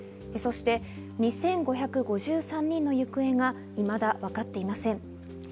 そして２５５３人の行方がいまだわかっていません。